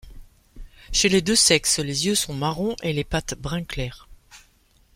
Chez les deux sexes, les yeux sont marron et les pattes brun clair.